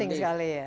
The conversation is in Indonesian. penting sekali ya